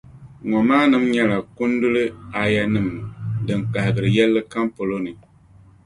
Ŋɔmaanim’ nyɛla kunduli aayanim’ din kahigiri yɛlli kam polo ni.